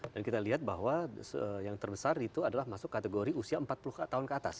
dan kita lihat bahwa yang terbesar itu adalah masuk kategori usia empat puluh tahun ke atas